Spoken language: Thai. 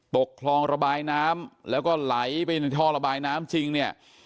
ตกคลองระบายน้ำแล้วก็ไหลไปในท่อระบายน้ำจริงเนี่ย